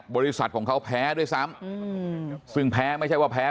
บริษัทของเขาแพ้ด้วยซ้ำซึ่งแพ้ไม่ใช่ว่าแพ้